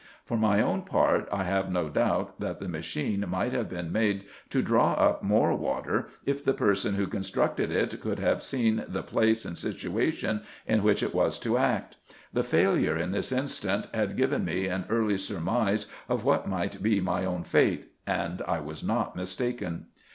For my own IN EGYPT, NUBIA, &c. 13 part, I have no doubt, that the machine might have been made to draw up more water, if the person who constructed it could have seen the place and situation in which it was to act. The failure in this instance had given me an early surmise of what might be mv own fate ; and I was not mistaken.